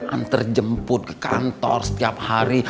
antar jemput ke kantor setiap hari